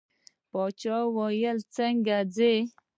باچا وویل څنګه ځې.